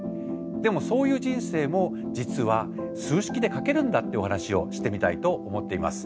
でもそういう人生も実は数式で書けるんだってお話をしてみたいと思っています。